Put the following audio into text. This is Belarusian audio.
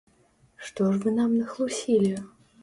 Што ж вы нам нахлусілі?